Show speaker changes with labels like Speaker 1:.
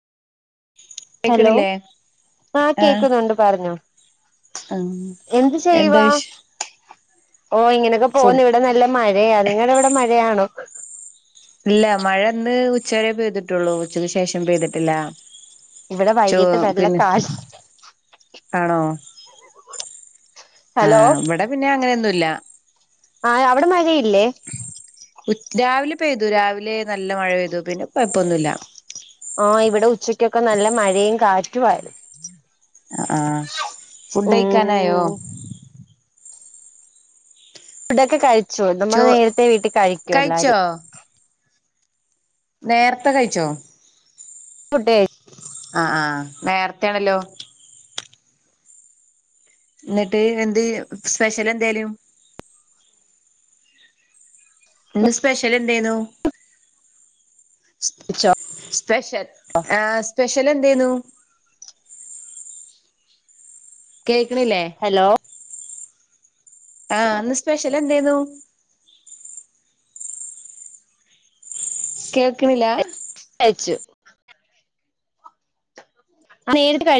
Speaker 1: Hello
Speaker 2: കേക്കണില്ലേ
Speaker 1: ആ
Speaker 2: ആഹ്
Speaker 1: കേക്കുന്നുണ്ട് പറഞ്ഞോ
Speaker 2: ആഹ്
Speaker 1: എന്ത്
Speaker 2: എന്താ
Speaker 1: ചെയ്യുവാ
Speaker 2: വിശ്
Speaker 1: ഓ ഇങ്ങനെയൊക്കെ പോന്നു
Speaker 2: ഫുഡ്
Speaker 1: ഇവിടെ നല്ല മഴയാ നിങ്ങടവിടെ മഴയാണോ
Speaker 2: ഇല്ല മഴ ന്ന് ഉച്ചവരെ പെയ്തിട്ടുള്ളൂ ഉച്ചക്ക് ശേഷം പെയ്തിട്ടില്ല
Speaker 1: ഇവിടെ
Speaker 2: ചോ
Speaker 1: വൈകിട്ട് നല്ല
Speaker 2: പിന്നെ
Speaker 1: കാറ്റ്
Speaker 2: ആണോ
Speaker 1: ഹലോ
Speaker 2: ആഹ് ഇവിടെ പിന്നെ അങ്ങനെയൊന്നൂല്ല
Speaker 1: ആഹ് അവിടെ മഴയില്ലേ
Speaker 2: ഉച് രാവിലെ പെയ്തു രാവിലെ നല്ല മഴ പെയ്തു പിന്നെ കൊഴപ്പൊന്നൂല്ല
Speaker 1: ആഹ് ഇവിടെ ഉച്ചക്കൊക്കെ നല്ല മഴയും കാറ്റുവാരുന്നു
Speaker 2: ആഹ് ഫുഡയിക്കാനായോ?
Speaker 1: ഉം ഫുഡൊക്കെ കയിച്ചോ നമ്മൾ
Speaker 2: ചോ
Speaker 1: നേരത്തെ വീട്ടി കയിക്കും
Speaker 2: കഴിച്ചോ
Speaker 1: എല്ലാരും
Speaker 2: നേർത്തെ കയിച്ചോ?
Speaker 1: ഫുഡ് കഴി
Speaker 2: ആഹ് ആഹ് നേർത്തെയാണല്ലോ ന്നിട്ട് എന്ത് സ്പെഷ്യൽ എന്തേലും ഇന്ന് സ്പെഷ്യൽ എന്തേനൂ
Speaker 1: കഴിച്ചോ
Speaker 2: പെഷ്യൽ ആഹ് സ്പെഷ്യൽ എന്തേന്നു? കേക്കണില്ലേ?
Speaker 1: ഹലോ
Speaker 2: ആഹ് ന്ന് സ്പെഷ്യൽ എന്തേയ്ന്നു? കേക്കണില്ലാ
Speaker 1: കയിച്ചു ആഹ് നേരിട്ട് കാ